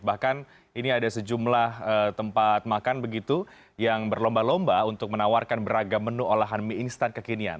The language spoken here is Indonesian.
bahkan ini ada sejumlah tempat makan begitu yang berlomba lomba untuk menawarkan beragam menu olahan mie instan kekinian